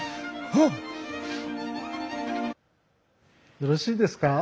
よろしいですか？